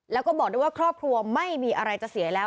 แล้วก็บอกด้วยว่าครอบครัวไม่มีอะไรจะเสียแล้ว